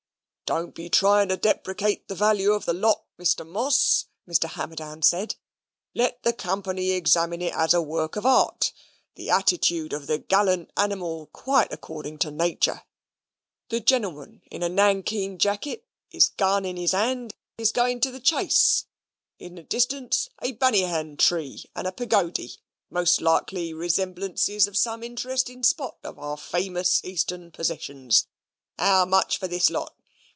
"Don't be trying to deprecate the value of the lot, Mr. Moss," Mr. Hammerdown said; "let the company examine it as a work of art the attitude of the gallant animal quite according to natur'; the gentleman in a nankeen jacket, his gun in his hand, is going to the chase; in the distance a banyhann tree and a pagody, most likely resemblances of some interesting spot in our famous Eastern possessions. How much for this lot?